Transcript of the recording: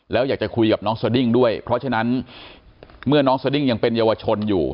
แล้วอยากจะคุยกับน้องสดิ้งด้วยเพราะฉะนั้นเมื่อน้องสดิ้งยังเป็นเยาวชนอยู่